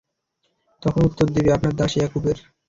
তখন উত্তর দিবে, আপনার দাস ইয়াকুবের।